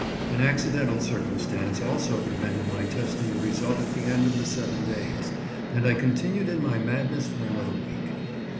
An accidental circumstance also prevented my testing the result at the end of the seven days, and I continued in my madness for another week.